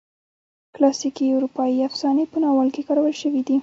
کلاسیکي اروپایي افسانې په ناول کې کارول شوي دي.